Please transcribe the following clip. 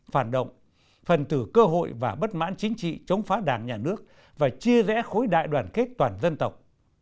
phản động phần tử cơ hội và bất mãn chính trị chống phá đảng nhà nước và chia rẽ khối đại đoàn kết toàn dân tộc